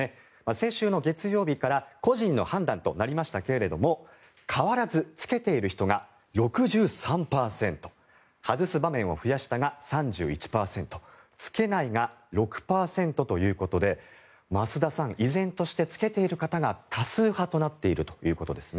先週の月曜日から個人の判断となりましたが変わらず着けている人が６３％外す場面を増やしたが３１％着けないが６％ということで増田さん、依然として着けている方が多数派となっているということです。